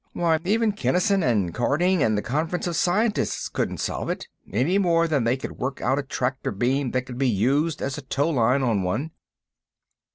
Why, even Kinnison and Cardynge and the Conference of Scientists couldn't solve it, any more than they could work out a tractor beam that could be used as a tow line on one."